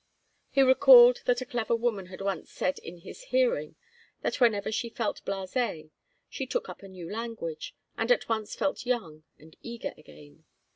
He recalled that a clever woman had once said in his hearing that whenever she felt blasée she took up a new language, and at once felt young and eager again.